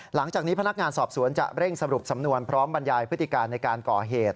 หลังจากนี้พนักงานสอบสวนจะเร่งสรุปสำนวนพร้อมบรรยายพฤติการในการก่อเหตุ